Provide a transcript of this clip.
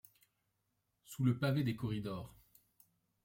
Sous le, pavé des corridors